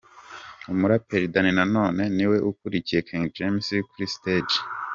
Umuraperi Danny Nanone niwe ukurikiye King James kuri Stage.